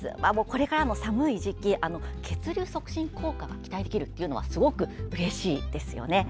これからの時期、血流促進効果が期待できるのがうれしいですよね。